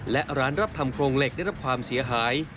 และร้านรับทำโครงเหล็กได้รับความเสียหาย